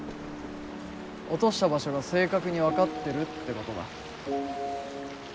落とした場所が正確に分かってるってことだ。